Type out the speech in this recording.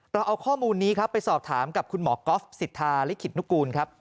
เราเอาข้อมูลนี้ครับไปสอบถามกับคุณหมอก๊อฟสิทธาลิขิตนุกูลครับ